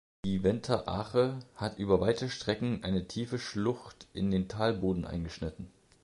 Die Venter Ache hat über weite Strecken eine tiefe Schlucht in den Talboden eingeschnitten.